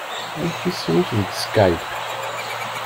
Amek isem-ik deg Skype?